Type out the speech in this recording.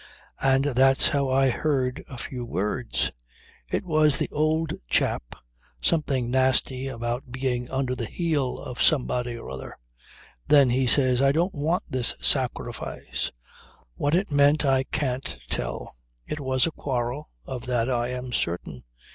And that's how I heard a few words. It was the old chap something nasty about being "under the heel" of somebody or other. Then he says, "I don't want this sacrifice." What it meant I can't tell. It was a quarrel of that I am certain.